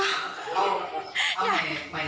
เอ้าเอาใหม่ใหม่ไหนหน่อยพึ่งแยกกับเพื่อนใครบ้าง